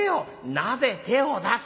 「なぜ手を出す！」。